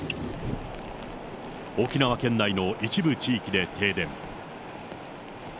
沖縄県内の一部地域で停電。